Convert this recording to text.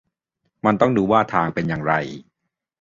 มันต้องดูว่าทางเป็นอย่างไร